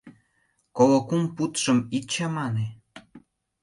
Коло кум пудшым ит чамане...